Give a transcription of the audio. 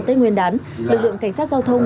tết nguyên đán lực lượng cảnh sát giao thông